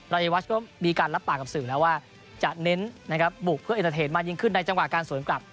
รายวัชก็มีการรับปากกับสื่อแล้วว่าจะเน้นนะครับบุกเพื่อเอเตอร์เทนมากยิ่งขึ้นในจังหวะการสวนกลับ